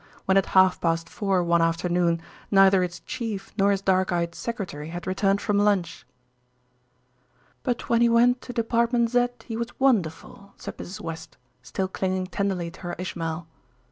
Q., when at half past four one afternoon neither its chief nor his dark eyed secretary had returned from lunch. "But when he went to Department Z he was wonderful," said Mrs. West, still clinging tenderly to her Ishmael.